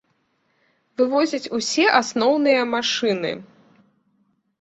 Вывозяць усе асноўныя машыны.